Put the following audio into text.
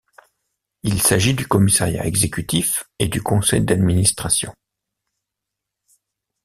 Il s'agit du Commissariat exécutif et du Conseil d'administration.